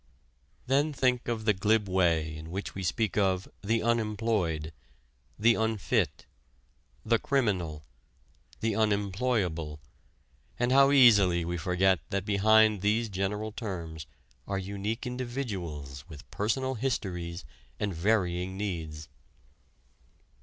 Think then of the glib way in which we speak of "the unemployed," "the unfit," "the criminal," "the unemployable," and how easily we forget that behind these general terms are unique individuals with personal histories and varying needs.